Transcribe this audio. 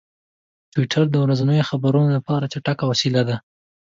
ټویټر د ورځنیو خبرونو لپاره چټک وسیله ده.